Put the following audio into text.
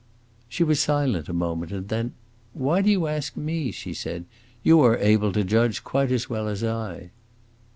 She was silent a moment, and then, "Why do you ask me?" she said. "You are able to judge quite as well as I."